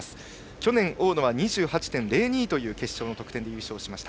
去年、大野は２８．０２という決勝の得点で優勝しました。